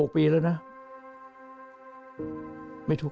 ๑๖ปีแล้วนะไม่ทุกข์